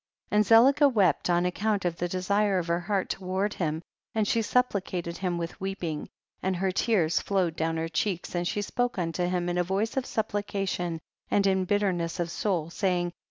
41. And Zelicah wept on account of the desire of her heart toward him, and she supplicated him with weep ing, and her tears flowed down her cheeks, and she spoke unto him in a voice of supplication and in bitterness of soul, saying, 42.